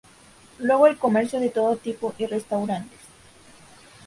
Luego el comercio de todo tipo y restaurantes.